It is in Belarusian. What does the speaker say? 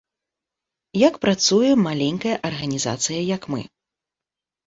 Як працуе маленькая арганізацыя, як мы?